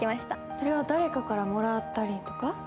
それは誰かからもらったりとか？